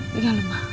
di dalam ma